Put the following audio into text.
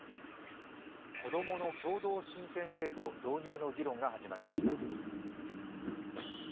子供の共同親権制度導入の議論が始まりました。